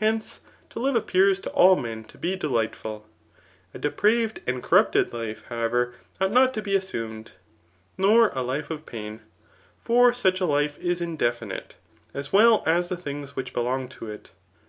Hence to live appears to all men to be d^ghtfiiL A depraved and corrupted life, however, might not to be assumed, nor a life of pain ; for such a fSTe is indefinite, as well as the things which belong to it.